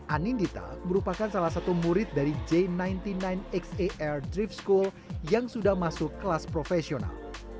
anindita merupakan salah satu murid dari j sembilan puluh sembilan xar drift school yang sudah masuk kelas profesional